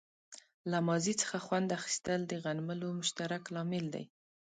له ماضي څخه خوند اخیستل د غنملو مشترک لامل دی.